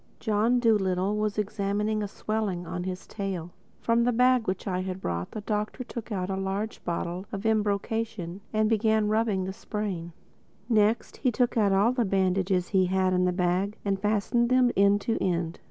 John Dolittle was examining a swelling on his tail. From the bag which I had brought the Doctor took a large bottle of embrocation and began rubbing the sprain. Next he took all the bandages he had in the bag and fastened them end to end.